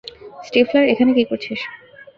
Stifler, এখানে কি করছিস?